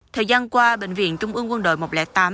thời gian qua bệnh viện trung quốc